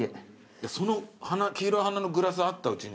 その花黄色い花のグラスあったうちに。